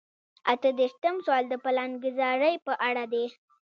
اته دېرشم سوال د پلانګذارۍ په اړه دی.